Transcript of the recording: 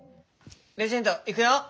レジェンドいくよ。